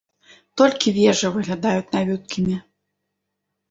Толькі вежы выглядаюць навюткімі.